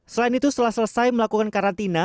selain itu setelah selesai melakukan karantina